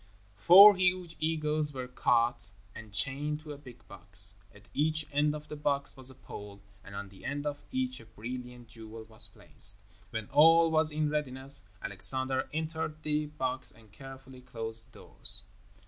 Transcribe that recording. Four huge eagles were caught and chained to a big box. At each end of the box was a pole, and on the end of each a brilliant jewel was placed. When all was in readiness, Alexander entered the box and carefully closed the doors.